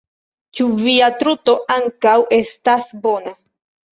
Ĉu via truto ankaŭ estas bona?